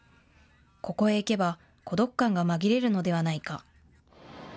ここへ行けば孤独感が紛れるのではないか。